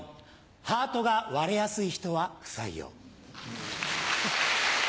ハートが割れやすい人は不採用。